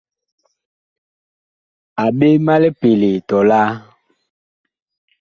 A ɓee ma lipelee tɔlaa !